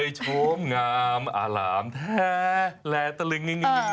โอ้โหโชมเงิมอร่ามแท้และตระลึง